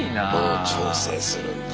うん調整するんだ。